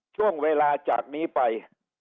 ช่วงเวลาจากนี้ไป